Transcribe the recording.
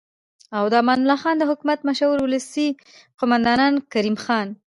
او د امان الله خان د حکومت مشهور ولسي قوماندان کریم خان